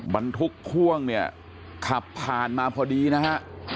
บรรทุกพ่วงเนี่ยขับผ่านมาพอดีนะฮะ